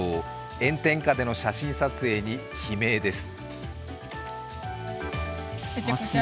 炎天下での写真撮影に悲鳴です。